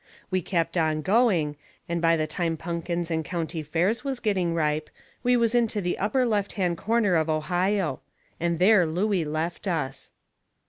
We kept on going, and by the time punkins and county fairs was getting ripe we was into the upper left hand corner of Ohio. And there Looey left us.